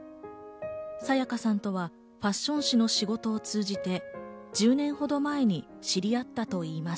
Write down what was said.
沙也加さんとはファッション誌の仕事を通じて１０年ほど前に知り合ったといいます。